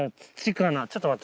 ちょっと待って。